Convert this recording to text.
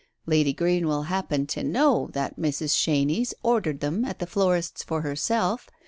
Lady Greenwell happened to know that Mrs. Chenies ordered them at the florist's for herself.